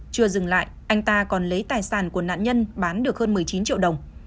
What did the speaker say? chưa dừng lại anh ta còn lấy tài sản của nạn nhân bán được hơn một mươi chín triệu đồng